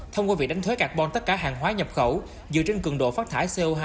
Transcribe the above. thông qua việc đánh thuế carbon tất cả hàng hóa nhập khẩu dựa trên cường độ phát thải co hai